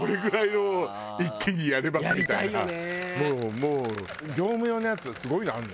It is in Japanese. もう業務用のやつすごいのあるのよ。